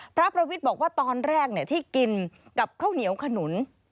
พระประวิทย์บอกว่าตอนแรกที่กินกับข้าวเหนียวขนุน